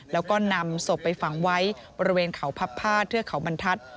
แล้วก็นำศพไปฝังไว้บริเวณเขาพับผ้าเทือกเขาบรรทัศน์